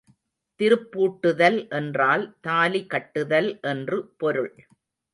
திருப்பூட்டுதல் என்றால் தாலி கட்டுதல் என்று பொருள்.